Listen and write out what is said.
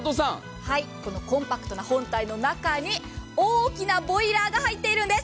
このコンパクトな本体の中に大きなボイラーが入っているんです。